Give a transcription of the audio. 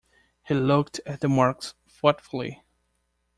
He looked at the marks thoughtfully.